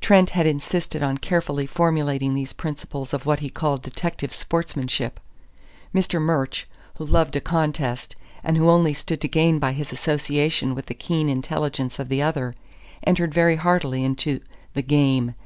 Trent had insisted on carefully formulating these principles of what he called detective sportsmanship. Mr. Murch, who loved a contest, and who only stood to gain by his association with the keen intelligence of the other, entered very heartily into "the game."